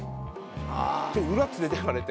裏連れてかれて。